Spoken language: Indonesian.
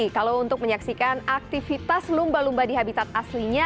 kalau untuk menyaksikan aktivitas lumba lumba di habitat aslinya